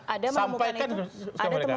ada temukan itu